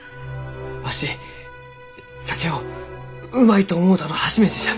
わし酒をうまいと思うたの初めてじゃ！